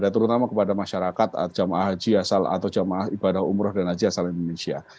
terutama kepada masyarakat jamaah haji asal atau jamaah ibadah umroh dan haji asal indonesia